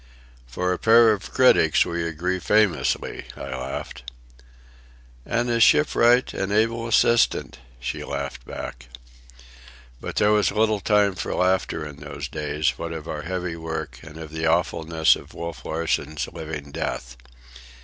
"For a pair of critics we agree famously," I laughed. "And as shipwright and able assistant," she laughed back. But there was little time for laughter in those days, what of our heavy work and of the awfulness of Wolf Larsen's living death.